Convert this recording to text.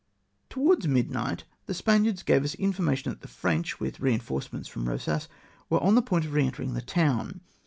Towards midnight the Spaniards gave us information that the French, with reinforcements from Eosas, were on the point of re entering the town.